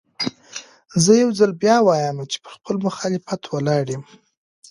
زه يو ځل بيا وايم چې پر خپل مخالفت ولاړ يم.